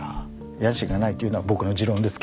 野心がないというのは僕の持論ですけど。